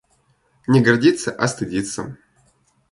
Не гордиться, а стыдиться.